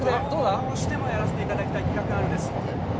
どうしてもやらせていただきたい企画があるんです。